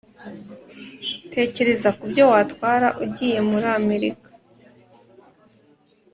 Tekereza ku byo watwara ugiye muri Amerika